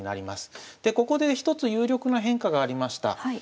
でここで一つ有力な変化がありました。